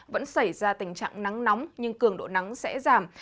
vẫn xảy ra tình trạng nắng nóng nhưng cường độ nắng sẽ giảm